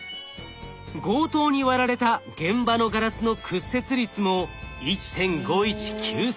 強盗に割られた現場のガラスの屈折率も１．５１９３。